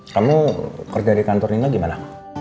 kamu kerja di kantor ini gimana